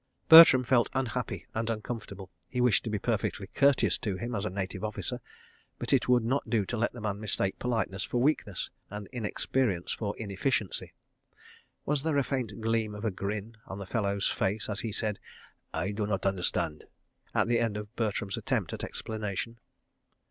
Bertram felt unhappy and uncomfortable. He wished to be perfectly courteous to him as a Native Officer, but it would not do to let the man mistake politeness for weakness, and inexperience for inefficiency. ... Was there a faint gleam of a grin on the fellow's face as he said: "I do not understand," at the end of Bertram's attempt at explanation?